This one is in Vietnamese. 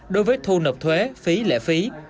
đối với thu nộp thuế phí lệ phí